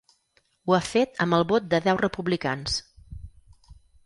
Ho ha fet amb el vot de deu republicans.